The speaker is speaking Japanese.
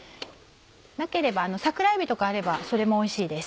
なければ桜えびとかあればそれもおいしいです。